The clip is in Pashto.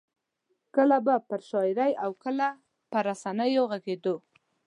کله به پر شاعرۍ او کله پر رسنیو غږېدو.